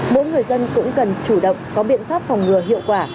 mỗi người dân cũng cần chủ động có biện pháp phòng ngừa hiệu quả